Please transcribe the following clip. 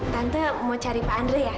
tante mau cari pak andre ya